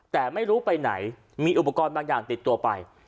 แต่ไม่รู้ไปไหนมีอุปกรณ์บางอย่างติดตัวไป